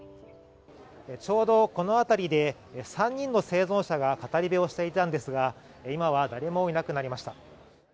ちょうどこの辺りで３人の生存者が語り部をしていたんですが今は誰もいなくなりました